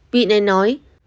vị này nói